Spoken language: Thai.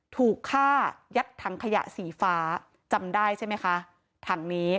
ถูกฆ่ายัดถังขยะสีฟ้าจำได้ใช่ไหมคะถังนี้